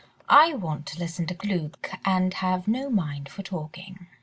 I want to listen to Glück, and have no mind for talking."